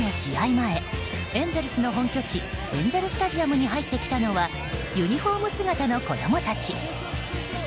前エンゼルスの本拠地エンゼル・スタジアムに入ってきたのはユニホーム姿の子供たち。